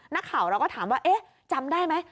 นักข่าวเราก็ถามว่าเอ๊ะจำได้ไหม